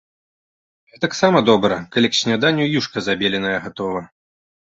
Гэтаксама добра, калі к сняданню й юшка забеленая гатова.